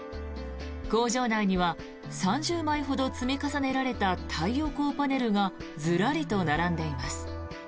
工場内には３０枚ほど積み重ねられた太陽光パネルがずらりと並んでいます。